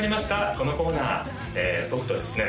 このコーナー僕とですね